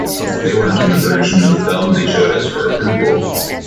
They weren't in the version of the film they showed us for approval.